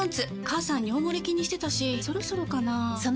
母さん尿モレ気にしてたしそろそろかな菊池）